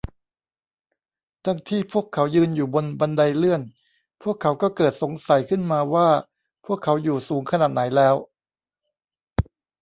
ดังที่พวกเขายืนอยู่บนบันไดเลื่อน พวกเขาก็เกิดสงสัยขึ้นมาว่าพวกเขาอยู่สูงขนาดไหนแล้ว